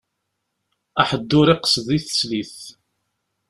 Aḥeddur iqsed i teslit.